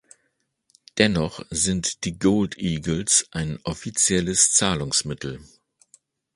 Dennoch sind die Gold Eagles ein offizielles Zahlungsmittel.